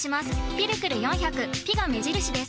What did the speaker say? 「ピルクル４００」「ピ」が目印です。